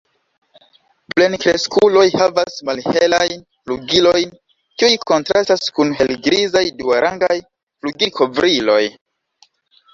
Plenkreskuloj havas malhelajn flugilojn kiuj kontrastas kun helgrizaj duarangaj flugilkovriloj.